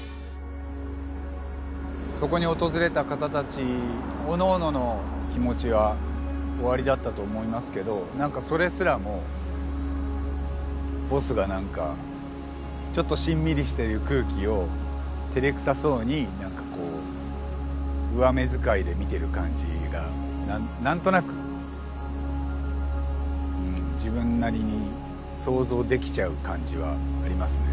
そこに訪れた方たちおのおのの気持ちはおありだったと思いますけどなんかそれすらもボスがなんかちょっとしんみりしている空気をてれくさそうになんかこう上目遣いで見てる感じが何となくうん自分なりに想像できちゃう感じはありますね。